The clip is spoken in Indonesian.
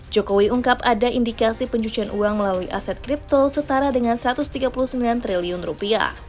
jokowi ungkap ada indikasi pencucian uang melalui aset kripto setara dengan satu ratus tiga puluh sembilan triliun rupiah